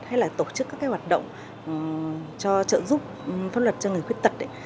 hay là tổ chức các cái hoạt động cho trợ giúp pháp luật cho người khuyết tật